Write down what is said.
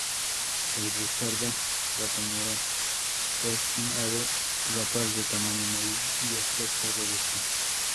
El busardo ratonero es un ave rapaz de tamaño medio y aspecto robusto.